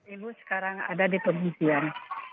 ibu sekarang ada di pengungsian